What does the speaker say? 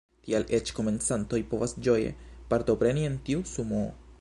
Tial eĉ komencantoj povas ĝoje partopreni en tiu Sumoo.